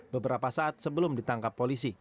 beberapa saat sebelum ditangkap polisi